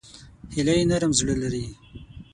هیلۍ نرم زړه لري